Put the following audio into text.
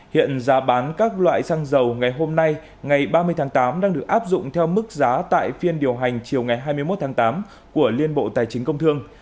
hiện giá bán các loại xăng dầu ngày hôm nay ngày ba mươi tháng tám đang được áp dụng theo mức giá tại phiên điều hành chiều ngày hai mươi một tháng tám của liên bộ tài chính công thương